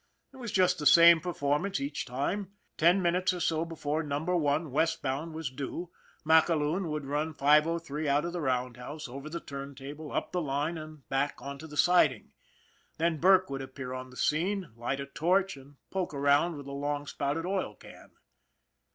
It was just the same performance each time. Ten minutes or so before Number One, westbound, was due, MacAloon would run 503 out of the roundhouse, over the turntable, up the line, and back onto the siding. Then Burke would appear on the scene, light a torch, and poke around with a long spouted oil can.